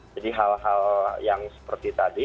jadi hal hal yang seperti tadi